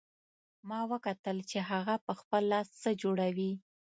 ما وکتل چې هغه په خپل لاس څه جوړوي